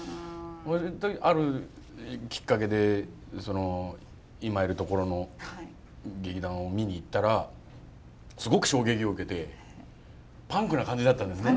あるきっかけで今いるところの劇団を見に行ったらすごく衝撃を受けてパンクな感じだったんですね。